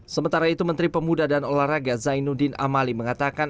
sementara itu menteri pemuda dan olahraga zainuddin amali mengatakan